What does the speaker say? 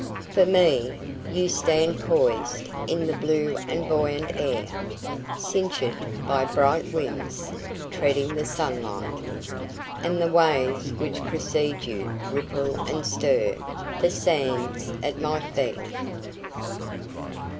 For me, You stand poisedIn the blue and buoyant air, Cinctured by bright winds, Treading the sunlight. And the waves which precede youRipple and stirThe sands at my feet.